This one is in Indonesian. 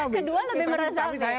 kedua lebih merasa tapi saya